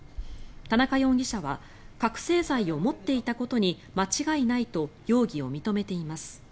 田中容疑者は覚醒剤を持っていたことに間違いないと容疑を認めています。